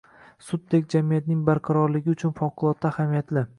Suddek jamiyatning barqarorligi uchun favqulodda ahamiyatli